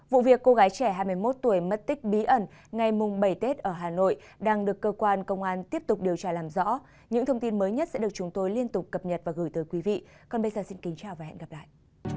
vụ việc cô gái trẻ hai mươi một tuổi mất tích bí ẩn ngày bảy tết ở hà nội đang được cơ quan công an tiếp tục điều tra làm rõ những thông tin mới nhất sẽ được chúng tôi liên tục cập nhật và gửi tới quý vị còn bây giờ xin kính chào và hẹn gặp lại